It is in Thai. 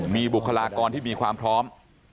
มีบุคลากรที่มีความพร้อม